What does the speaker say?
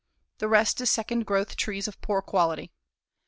The rest is second growth trees of poor quality.